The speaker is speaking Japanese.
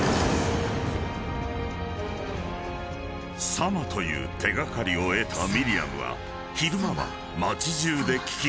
［サマという手掛かりを得たミリアムは昼間は町じゅうで聞き回り